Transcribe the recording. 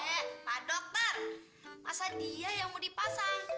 masa dia yang mau dipasang